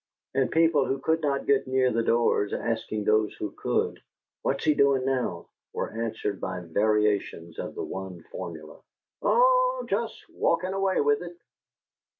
And people who could not get near the doors, asking those who could, "What's he doin' now?" were answered by variations of the one formula, "Oh, jest walkin' away with it!"